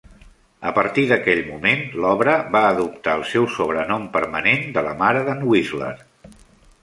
A partir d'aquell moment, l'obra va adoptar el seu sobrenom permanent de La mare d'en Whistler.